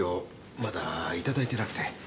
まだ頂いてなくて。